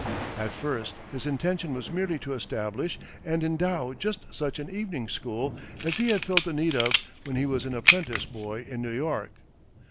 At first his intention was merely to establish and endow just such an evening school as he had felt the need of when he was an apprentice boy in New York.